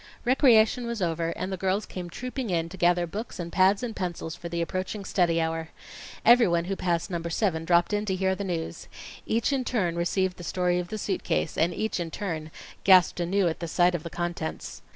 Recreation was over, and the girls came trooping in to gather books and pads and pencils for the approaching study hour. Everyone who passed number Seven dropped in to hear the news. Each in turn received the story of the suit case, and each in turn gasped anew at sight of the contents.